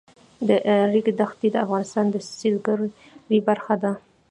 د ریګ دښتې د افغانستان د سیلګرۍ برخه ده.